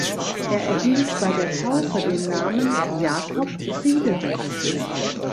Er erhielt bei der Taufe den Namen "Jacob Friederich".